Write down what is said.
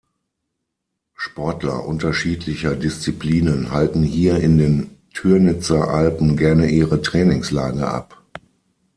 Sportler unterschiedlicher Disziplinen halten hier in den Türnitzer Alpen gerne ihre Trainingslager ab.